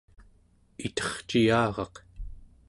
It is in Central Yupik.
iterciyaraq